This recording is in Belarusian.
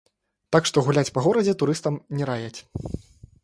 Так што гуляць па горадзе турыстам не раяць.